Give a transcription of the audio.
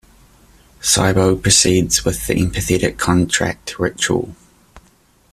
Sybo proceeds with the empathic contact ritual.